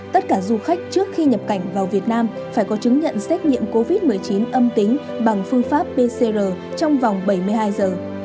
tất cả du khách trước khi nhập cảnh vào việt nam phải có chứng nhận xét nghiệm covid một mươi chín âm tính bằng phương pháp pcr trong vòng bảy mươi hai giờ